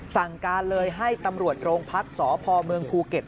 สั่งการเลยให้ตำรวจโรงพักษ์สพเมืองภูเก็ต